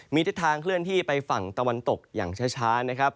มีทิศทางเคลื่อนที่ไปฝั่งตะวันตกอย่างช้านะครับ